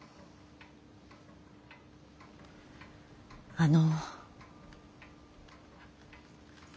あの。